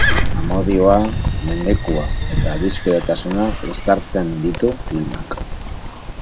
Amodioa, mendekua eta adiskidetasuna uztartzen ditu filmak.